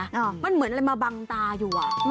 มันมันเหมือนมันมาบังตาอยู่